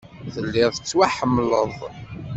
Telliḍ tettwaḥemmleḍ.